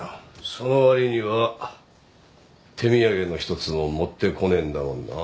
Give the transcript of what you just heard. その割には手土産の１つも持ってこねえんだもんな。